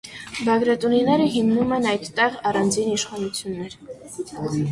Բագրատունիները հիմնում են այդտեղ առանձին իշխանություններ։